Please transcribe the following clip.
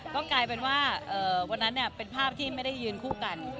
ก็กลายเป็นว่าวันนั้นเป็นภาพที่ไม่ได้ยืนคู่กัน